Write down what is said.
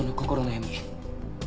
闇？